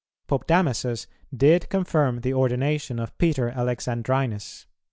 .. Pope Damasus did confirm the ordination of Peter Alexandrinus."